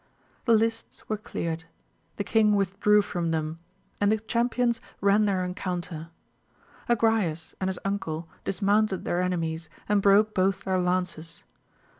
The lists were cleared : the king withdrew from them, and the champions ran their encounter. Agrayes and his uncle dismounted their enemies, and broke both their lances.